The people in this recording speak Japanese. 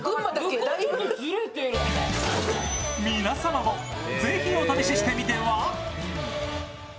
皆様もぜひお試ししてみては。